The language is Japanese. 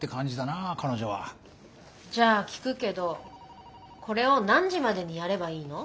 じゃあ聞くけどこれを何時までにやればいいの？